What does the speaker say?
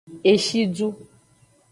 Eshidu.